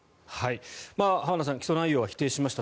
浜田さん起訴内容は否定しました。